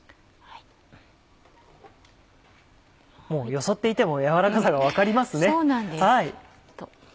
もうよそっていても軟らかさが分かりますね。